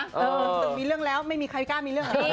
ถึงมีเรื่องแล้วไม่มีใครกล้ามีเรื่องแบบนี้